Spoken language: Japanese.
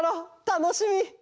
たのしみ！